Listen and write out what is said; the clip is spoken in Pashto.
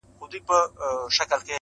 • چي زه تورنه ته تورن سې گرانه .